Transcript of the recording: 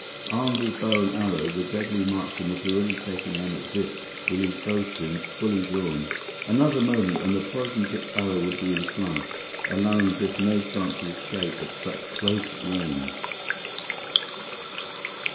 Armed with bow and arrow, the deadly marksman was already taking aim at Biff with his bowstring fully drawn. Another moment, and the poison tipped arrow would be in flight, allowing Biff no chance of escape at such close range!